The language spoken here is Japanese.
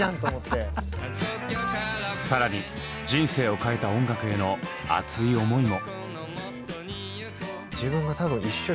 更に「人生を変えた音楽」への熱い思いも。